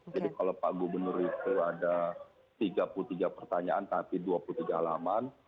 jadi kalau pak gubernur itu ada tiga puluh tiga pertanyaan tapi dua puluh tiga halaman